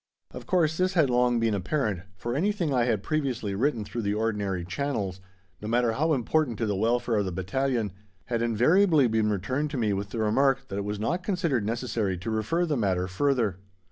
Of course this had long been apparent, for anything I had previously written through the ordinary channels no matter how important to the welfare of the battalion had invariably been returned to me with the remark that it was not considered necessary to refer the matter further.